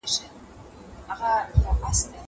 زه به تکړښت کړی وي.